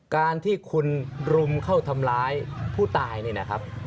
การที่คุณรุมเข้าทำร้ายผู้ตายนี่นะครับ